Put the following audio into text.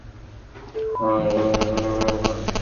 তাই এগুলো কাছ থেকে দেখার জন্য অনেক সময় এভাবে রাস্তায় নেমেছি।